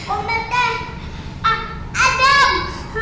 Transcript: om merti adam